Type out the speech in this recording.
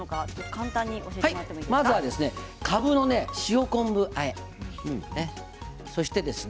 まずはかぶの塩昆布あえです。